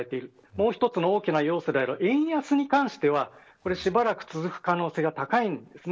もう一つの大きな要素である円安についてはしばらく続く可能性が高いんです。